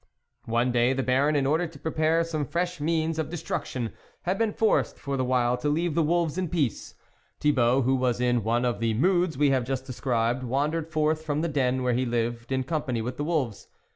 One day, the Baron in order to prepare some fresh means of destruction, had been forced for the while to leave the wolves in peace. Thibault, who was in one of the moods we have just described, wandered forth from the den where he lived in com pany with the wolves.